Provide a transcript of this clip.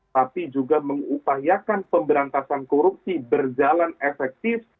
tapi juga mengupayakan pemberantasan korupsi berjalan efektif